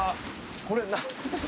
これ何ですか？